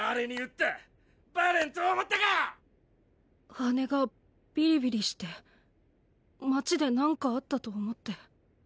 羽がビリビリして街で何かあったと思って。